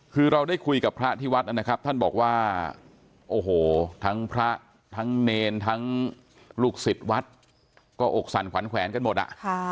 คือเราได้คุยกับพระที่วัดนะครับท่านบอกว่าโอ้โหทั้งพระทั้งเนรทั้งลูกศิษย์วัดก็อกสั่นขวัญแขวนกันหมดอ่ะ